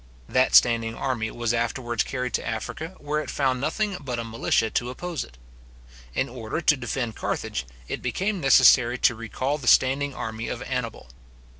That standing army was afterwards carried to Africa, where it found nothing but a militia to oppose it. In order to defend Carthage, it became necessary to recal the standing army of Annibal.